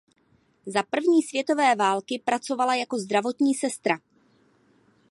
Za první světové války pracovala jako zdravotní sestra.